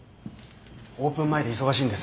オープン前で忙しいんです。